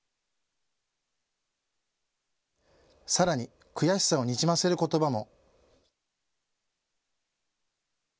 さらに、悔しさをにじませることばも。